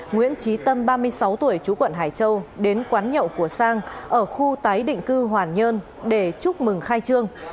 nguyễn trí tâm ba mươi sáu tuổi chú quận hải châu đến quán nhậu của sang ở khu tái định cư hoàn nhơn để chúc mừng khai trương